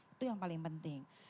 itu yang paling penting